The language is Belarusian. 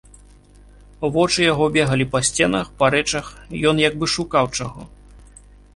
Вочы яго бегалі па сценах, па рэчах, ён як бы шукаў чаго.